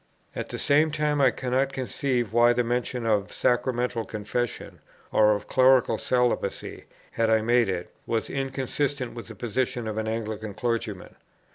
At the same time I cannot conceive why the mention of Sacramental Confession, or of Clerical Celibacy, had I made it, was inconsistent with the position of an Anglican Clergyman.